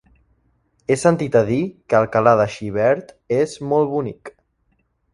He sentit a dir que Alcalà de Xivert és molt bonic.